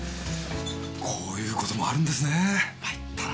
こういう事もあるんですねぇまいったなぁ。